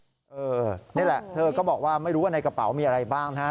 นี่แหละเธอก็บอกว่าไม่รู้ว่าในกระเป๋ามีอะไรบ้างนะฮะ